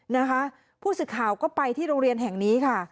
นะคะผู้สื่อข่าวก็ไปที่โรงเรียนแห่งนี้ค่ะ